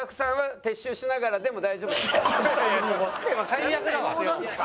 最悪だわ。